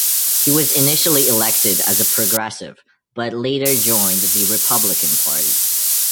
He was initially elected as a Progressive but later joined the Republican Party.